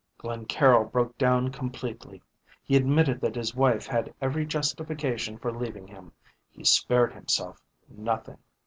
Glencaryll broke down completely. He admitted that his wife had every justification for leaving him, he spared himself nothing.